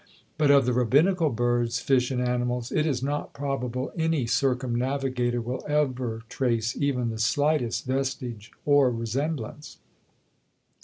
But of the rabbinical birds, fish, and animals, it is not probable any circumnavigator will ever trace even the slightest vestige or resemblance.